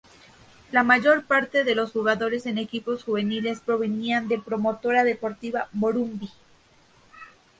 La mayor parte de los jugadores en equipos juveniles provenían de Promotora Deportiva Morumbi.